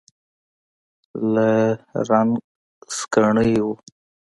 له رنګ سکڼۍ و.